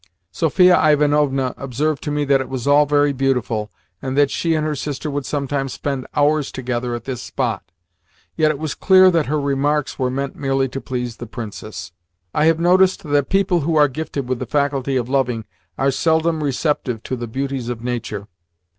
Sophia Ivanovna observed to me that it was all very beautiful, and that she and her sister would sometimes spend hours together at this spot; yet it was clear that her remarks were meant merely to please the Princess. I have noticed that people who are gifted with the faculty of loving are seldom receptive to the beauties of nature.